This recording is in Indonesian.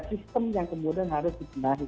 sistem yang kemudian harus dibenahi